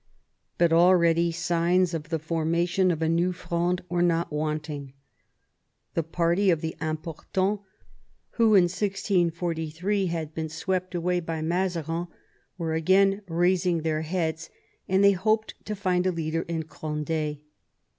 But already signs of the formation of a new Fronde were not wanting. The party of the Importants, who in 1643 had been swept away by Mazarin, were again raising their heads, and they hoped to find a leader in Cond^.